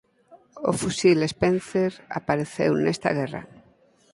O fusil Spencer apareceu nesta guerra.